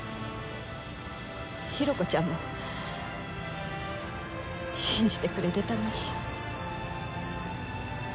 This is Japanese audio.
寛子ちゃんも信じてくれてたのに。